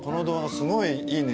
すごい「いいね」